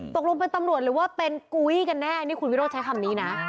ตกลงเป็นตำรวจหรือว่าเป็นกุ้ยกันแน่นี่คุณวิโรธใช้คำนี้นะ